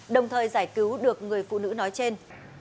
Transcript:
đồng thời giải cứu được người phụ nữ nói trên